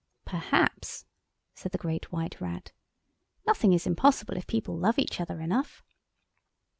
"Perhaps," said the Great White Rat, "nothing is impossible if people love each other enough."